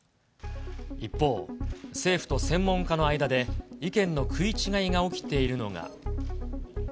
一方、政府と専門家の間で、意見の食い違いが起きているのが。